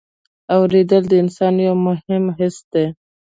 اورېدل د انسان یو مهم حس دی.